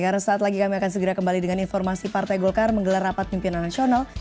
karena saat lagi kami akan segera kembali dengan informasi partai golkar menggelar rapat pimpinan nasional